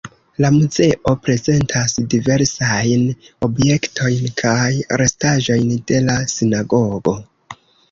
La muzeo prezentas diversajn objektojn kaj restaĵojn de la sinagogo.